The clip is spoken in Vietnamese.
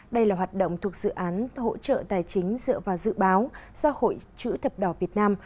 đây là hoạt động thuộc dự án hỗ trợ tài chính dựa vào dự báo do hội chữ thập đỏ việt nam